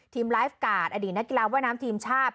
ไลฟ์การ์ดอดีตนักกีฬาว่ายน้ำทีมชาติ